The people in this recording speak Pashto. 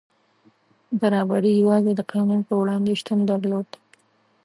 برابري یوازې د قانون په وړاندې شتون درلود.